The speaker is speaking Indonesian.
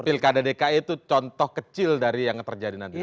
pirkada dki itu contoh kecil dari yang terjadi nanti dalam bpres